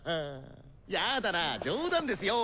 やだなぁ冗談ですよ。